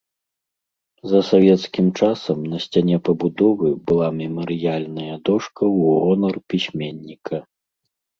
За савецкім часам на сцяне пабудовы была мемарыяльная дошка ў гонар пісьменніка.